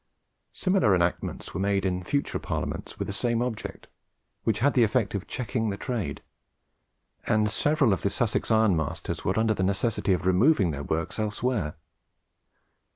Similar enactments were made in future Parliaments with the same object, which had the effect of checking the trade, and several of the Sussex ironmasters were under the necessity of removing their works elsewhere.